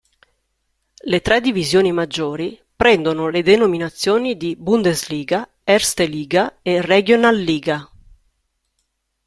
Le tre divisioni maggiori prendono le denominazioni di "Bundesliga", "Erste Liga" e "Regionalliga".